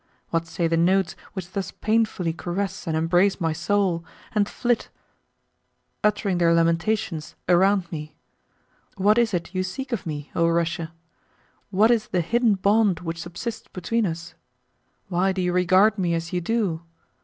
What say the notes which thus painfully caress and embrace my soul, and flit, uttering their lamentations, around me? What is it you seek of me, O Russia? What is the hidden bond which subsists between us? Why do you regard me as you do?